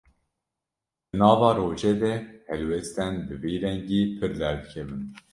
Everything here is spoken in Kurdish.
Di nava rojê de helwestên bi vî rengî pir derdikevin.